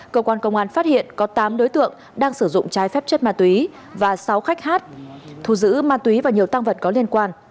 cơ quan công an phát hiện có tám đối tượng đang sử dụng trái phép chất ma túy và sáu khách hát thù giữ ma túy và nhiều tăng vật có liên quan